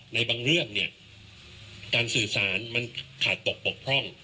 ในบางเรื่องเนี่ยการสื่อสารมันขาดตกปกพร่อง